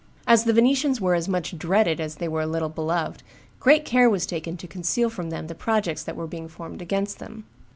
As the Venetians were as much dreaded as they were little beloved, great care was taken to conceal from them the projects that were being formed against them.